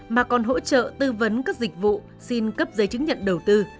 mà còn hỗ trợ tư vấn các dịch vụ xin cấp giấy chứng nhận đầu tư